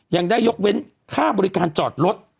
ยังได้ยกเว้นค่าบริการจอดรถ